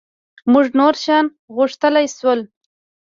مونږ نور شیان غوښتلای شول.